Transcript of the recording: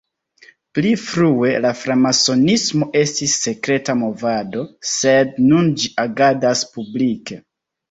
Pli frue la framasonismo estis sekreta movado, sed nun ĝi agadas publike.